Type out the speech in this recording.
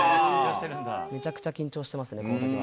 めちゃくちゃ緊張してますね、このときは。